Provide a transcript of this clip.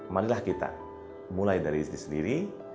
marilah kita mulai dari diri sendiri